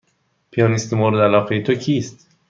پیانیست مورد علاقه تو کیست؟